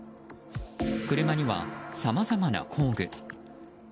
車にはさまざまな工具。